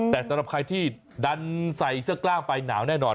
แต่สำหรับใครที่ดันใส่เสื้อกล้ามไปหนาวแน่นอน